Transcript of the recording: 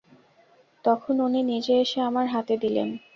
তখন উনি নিজে এসে আমার হাতে দিলেন।